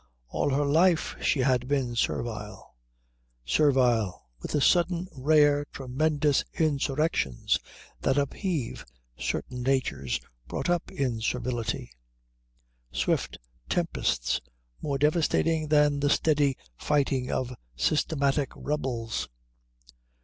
All her life she had been servile servile with the sudden rare tremendous insurrections that upheave certain natures brought up in servility, swift tempests more devastating than the steady fighting of systematic rebels.